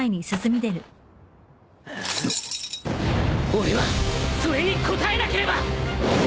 俺はそれに応えなければ！